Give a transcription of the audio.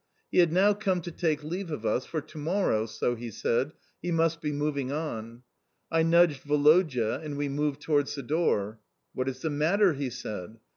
He had now come to take leave of us, for to morrow (so he said) he must be moving on. I nudged Woloda, and we moved towards the door. "What is the matter?" he said.